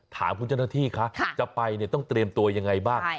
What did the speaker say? ถามผู้เจ้าหน้าที่ค่ะจะไปเนี่ยต้องเตรียมตัวอย่างไรบ้าง